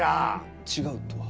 違うとは？